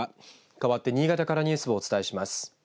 かわって新潟からニュースをお伝えします。